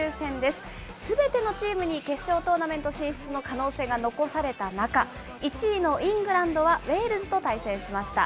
すべてのチームに決勝トーナメント進出の可能性が残された中、１位のイングランドはウェールズと対戦しました。